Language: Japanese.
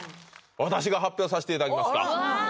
私が発表させていただきますかおっ